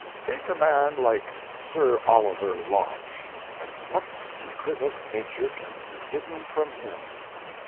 Take a man like Sir Oliver Lodge, and what secret of Nature can be hidden from him?